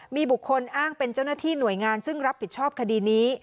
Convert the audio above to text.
มีบุคคลอ้างเป็นเจ้าหน้าที่หน่วยงานซึ่งรับผิดชอบคดีนี้